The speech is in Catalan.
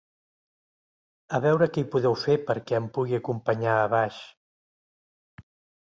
A veure què hi podeu fer perquè em pugui acompanyar a baix.